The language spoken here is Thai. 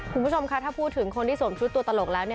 คุณผู้ชมคะถ้าพูดถึงคนที่สวมชุดตัวตลกแล้ว